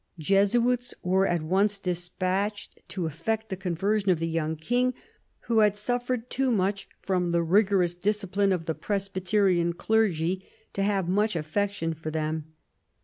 Jesuits were at once dis patched to effect the conversion of the young King, who had suffered too much from the rigorous discipline of the Presbyterian clergy to have much affection for them.